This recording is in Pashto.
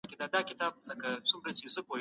د سياست پوهني اصول تل ثابت نه پاته کيږي.